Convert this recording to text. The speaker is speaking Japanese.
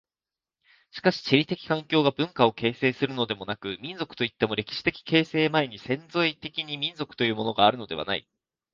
しかし地理的環境が文化を形成するのでもなく、民族といっても歴史的形成前に潜在的に民族というものがあるのではない。